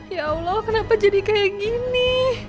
ya allah kenapa jadi kayak gini